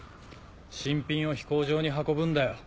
新品を飛行場に運ぶんだよ。